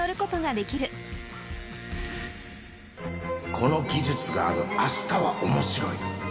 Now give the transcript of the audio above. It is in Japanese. この技術がある明日は面白い